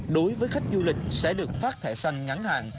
đối với khách du lịch sẽ được phát thẻ xanh ngắn hạn